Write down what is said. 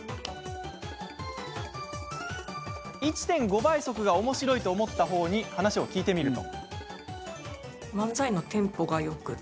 １．５倍速がおもしろいと思った方に話を聞いてみると。